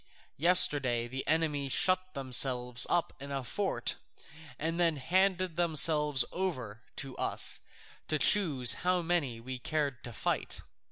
Yesterday the enemy shut themselves up in a fort, and then handed themselves over to us to choose how many we cared to fight.